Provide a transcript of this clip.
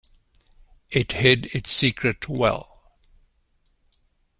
It hid its secret well.